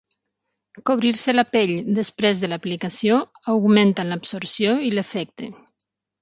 Cobrir-se la pell després de l'aplicació augmenta l'absorció i l'efecte.